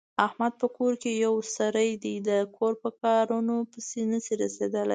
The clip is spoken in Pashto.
احمد په کور کې یو سری دی، د کور په کارنو پسې نشي رسېدلی.